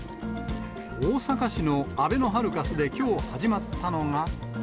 大阪市のあべのハルカスできょう始まったのが。